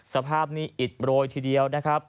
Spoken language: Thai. สภาพนี้อิดโรยทีเดียวนะครับ